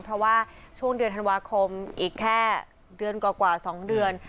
เพราะว่าช่วงเดือนธันวาคมอีกแค่เดือนกว่า๒เดือน